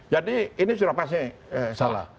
jadi ini sudah pasti salah